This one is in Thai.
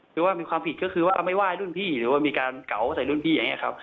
คือว่ามีความผิดก็คือว่าเอาไม่ไหว้รุ่นพี่หรือว่ามีการเก๋าใส่รุ่นพี่อย่างนี้ครับ